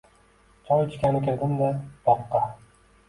Choy ichgani kirgandim-da boqqa.